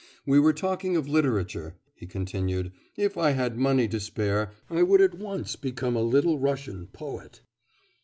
'We were talking of literature,' he continued, 'if I had money to spare, I would at once become a Little Russian poet.